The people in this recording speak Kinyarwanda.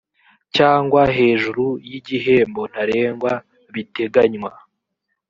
cyangwa hejuru y igihembo ntarengwa biteganywa